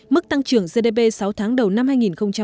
mức tăng trưởng gdp sáu tháng đối với nợ công của việt nam